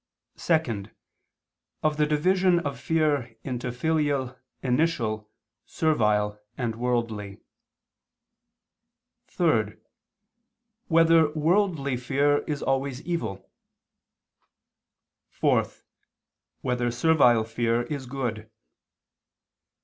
(2) Of the division of fear into filial, initial, servile and worldly; (3) Whether worldly fear is always evil? (4) Whether servile fear is good?